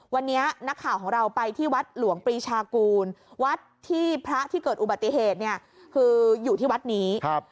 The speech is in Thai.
วันนี้นักข่าวของเราไปที่วัดหลวงปรีชากูลวัดที่พระที่เกิดอุบัติเหตุเนี่ยคืออยู่ที่วัดนี้ครับ